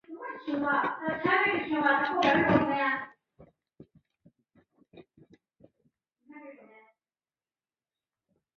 现担任中国超级足球联赛球队贵州智诚主教练。